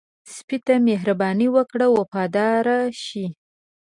سپي ته مهرباني وکړه، وفاداره شي.